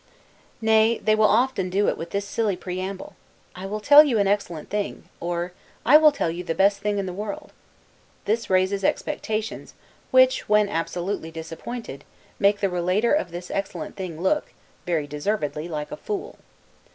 Nay, they often do it with this silly preamble; "I will tell you an excellent thing"; or, "I will tell you the best thing in the world." This raises expectations, which, when absolutely disappointed, make the relater of this excellent thing look, very deservedly, like a fool.